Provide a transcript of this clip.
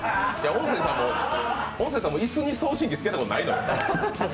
音声さんも椅子に送信機付けたことないのよ。